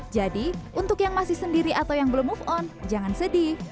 jadi untuk yang masih sendiri atau yang belum move on jangan sedih